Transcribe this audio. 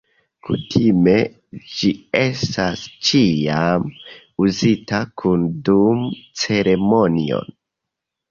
Kutime, ĝi estas ĉiam uzita kune dum ceremonioj.